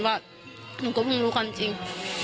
ว่าหนูก็เพิ่งรู้ความจริง